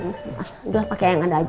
udah pake yang ada aja